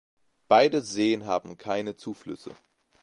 Beide Seen haben keine Zuflüsse.